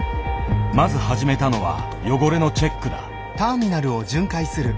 まず始めたのは汚れのチェックだ。